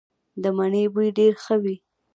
د مڼې بوی ډیر ښه وي.